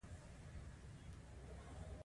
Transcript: موږ له نفتي موادو څخه پلاستیکي کڅوړې جوړوو.